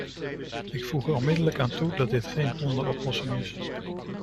Ik voeg er onmiddellijk aan toe dat dit geen wonderoplossing is.